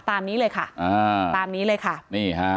ตามนี้เลยค่ะ